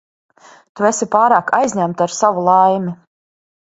Tu esi pārāk aizņemta ar savu laimi.